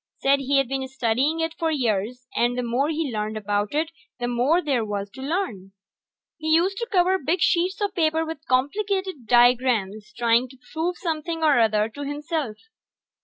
Said he'd been studying it for years, and the more he learned about it the more there was to learn. He used to cover big sheets of paper with complicated diagrams trying to prove something or other to himself.